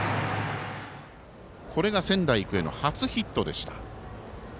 これが仙台育英の初ヒットでした。